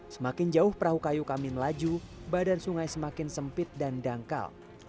semakin jauh perahu kayu kami melaju badan sungai semakin sempit dan dangkal